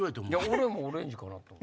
俺もオレンジかなと思う。